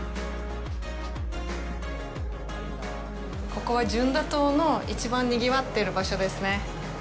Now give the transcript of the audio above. ここは、ジュンダ島の一番にぎわってる場所ですね。